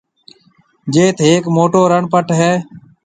جيٿ هيڪ موٽو رڻ پَٽ هتو۔